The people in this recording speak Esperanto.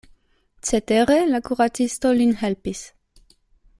Cetere la kuracisto lin helpis.